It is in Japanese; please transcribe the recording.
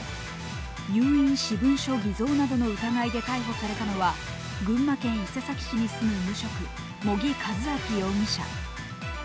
有印私文書偽造などの疑いで逮捕されたのは群馬県伊勢崎市に住む無職、茂木和昭容疑者。